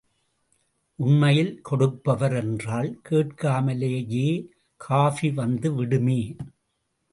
உண்மையில் கொடுப்பவர் என்றால், கேட்காமலேயே காஃபி வந்து விடுமே.